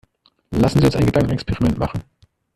Lassen Sie uns ein Gedankenexperiment machen.